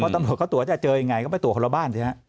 ตำรวจตรวจจะเจอยังไงก็มันตรวจคนละบ้าน